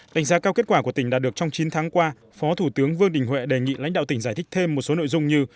đánh giá cao kết quả của tỉnh đã được trong chín tháng qua phó thủ tướng vương đình huệ đề nghị lãnh đạo tỉnh giải thích thêm một số nội dung như